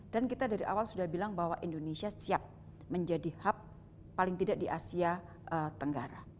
dan kita dari awal sudah bilang bahwa indonesia siap menjadi hub paling tidak di asia tenggara